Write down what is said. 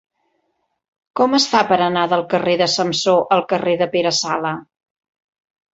Com es fa per anar del carrer de Samsó al carrer de Pere Sala?